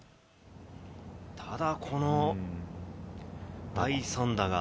ただこの第３打が。